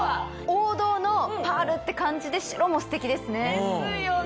王道のパールって感じで白もステキですね。